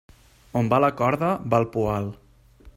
On va la corda, va el poal.